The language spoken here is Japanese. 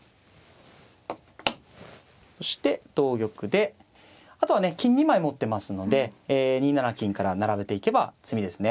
そして同玉であとはね金２枚持ってますので２七金から並べていけば詰みですね。